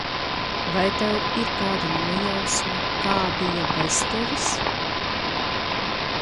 Vai tev ir kāda nojausma, kā bija bez tevis?